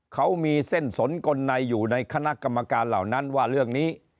เขามีเส้นสนกลในอยู่ในคณะกรรมการเหล่านั้นว่าเรื่องนี้